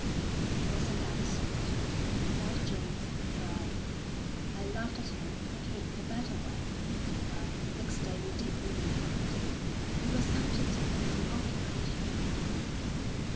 "He wasn't that sort," replied James, drily, "I laughed at him, thinking it the better way.... Well, next day we did really fight. We were sent to take an unoccupied hill.